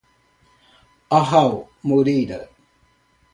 Aral Moreira